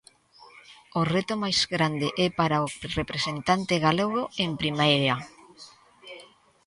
O reto máis grande é para o representante galego en Primeira.